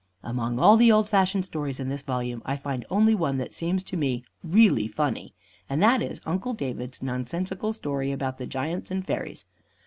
Among all the old fashioned stories in this volume I find only one that seems to me "really funny," and that is "Uncle David's Nonsensical Story about the Giants and Fairies."